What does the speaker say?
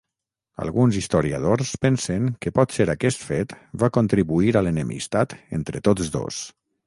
Alguns historiadors pensen que potser aquest fet va contribuir a l'enemistat entre tots dos.